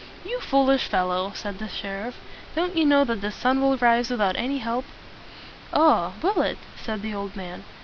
"You foolish fellow!" said the sheriff. "Don't you know that the sun will rise without any help?" "Ah! will it?" said the old man.